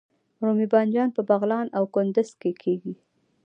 رومي بانجان په بغلان او کندز کې کیږي